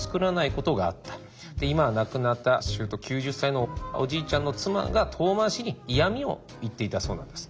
今は亡くなったしゅうと９０歳のおじいちゃんの妻が遠回しに嫌みを言っていたそうなんです。